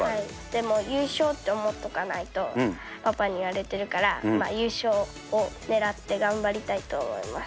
でも、優勝と思っとかないとパパに言われてるから、優勝を狙って頑張りたいと思います。